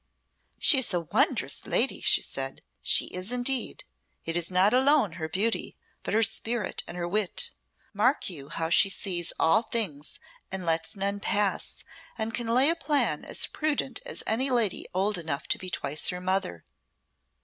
"She is a wondrous lady!" she said "she is indeed! It is not alone her beauty, but her spirit and her wit. Mark you how she sees all things and lets none pass, and can lay a plan as prudent as any lady old enough to be twice her mother.